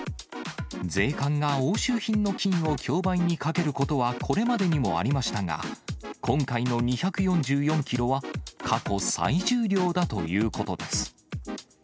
税関が押収品の金を競売にかけることはこれまでにもありましたが、今回の２４４キロは過去最重量だということです。